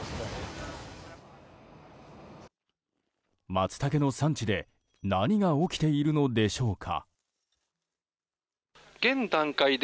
マツタケの産地で何が起きているのでしょうか？